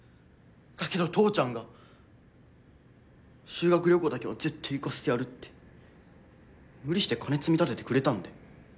だけど父ちゃんが修学旅行だけはぜってえ行かせてやるって無理して金積み立ててくれたんだよ。